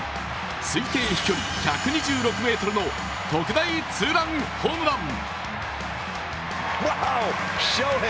推定飛距離１２６ｍの特大ツーランホームラン。